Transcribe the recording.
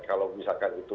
kalau misalkan itu